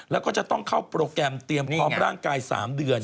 แล้วก็จะต้องเข้าโปรแกรมเตรียมพร้อมร่างกาย๓เดือน